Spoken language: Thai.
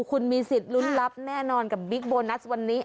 คุณมีสิทธิ์ลุ้นรับแน่นอนกับบิ๊กโบนัสวันนี้